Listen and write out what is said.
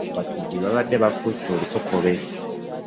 Abatujju babadde bafuuse olukokobe.